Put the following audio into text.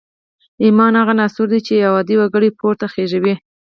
ایمان هغه عنصر دی چې یو عادي وګړی پورته خېژوي